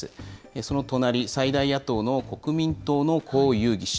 その隣、最大野党の国民党の侯友宜氏。